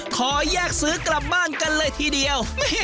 ขอแยกซื้อกลับบ้านกันเลยทีเดียว